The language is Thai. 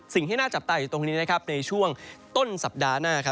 สิ่งที่น่าจับตาอยู่ตรงนี้นะครับในช่วงต้นสัปดาห์หน้า